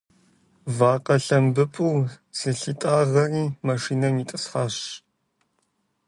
Вакъэ лъэмбыӏу зылъитӏагъэри машинэм итӏысхьащ.